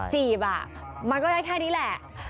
จีบมันก็ได้แค่นี้แหละ